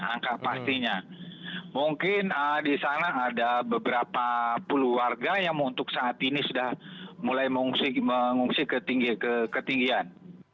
angka pastinya mungkin di sana ada beberapa puluh warga yang untuk saat ini sudah mulai mengungsi ke ketinggian